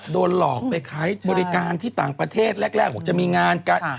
โดนหลอกไปขายบริการที่ต่างประเทศแรกบอกจะมีงานกัน